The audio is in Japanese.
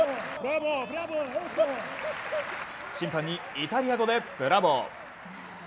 審判にイタリア語でブラボー！